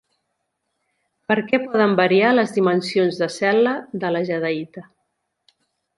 Per què poden variar les dimensions de cel·la de la jadeïta?